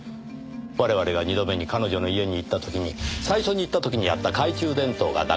我々が二度目に彼女の家に行った時に最初に行った時にあった懐中電灯がなくなっていました。